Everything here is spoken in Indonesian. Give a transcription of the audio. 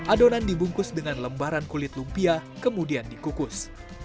adonan dibungkus dengan lembaran kulit lumpia kemudian dikukus